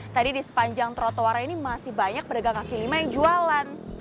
tadi di sepanjang trotoar ini masih banyak pedagang kaki lima yang jualan